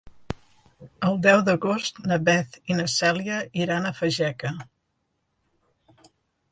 El deu d'agost na Beth i na Cèlia iran a Fageca.